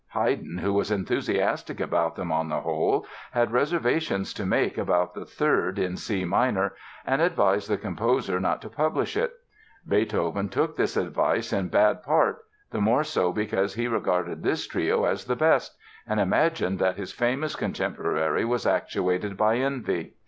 Haydn, who was enthusiastic about them on the whole, had reservations to make about the third, in C minor, and advised the composer not to publish it. Beethoven took this advice in bad part, the more so because he regarded this trio as the best, and imagined that his famous contemporary was actuated by envy.